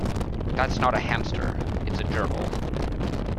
That's not a hamster, it's a gerbil.